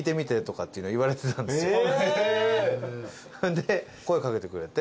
で声掛けてくれて。